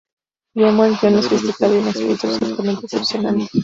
Llamó al guion "no sofisticado" y "una experiencia absolutamente decepcionante".